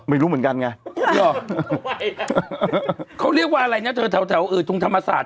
ไม่รู้เหมือนกันไงเขาเรียกว่าอะไรนะเธอแถวตรงธรรมศาสตร์